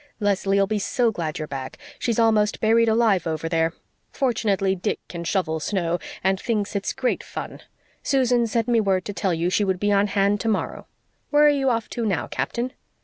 Leslie'll be so glad you're back. She's almost buried alive over there. Fortunately Dick can shovel snow, and thinks it's great fun. Susan sent me word to tell you she would be on hand tomorrow. Where are you off to now, Captain?"